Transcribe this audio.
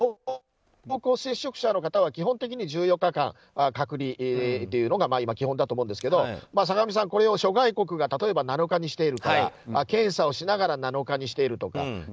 濃厚接触者の方は基本的に１４日間隔離というのが基本だと思うんですけど坂上さん、これを諸外国が例えば７日にしているから検査をしながら７日にしているとか。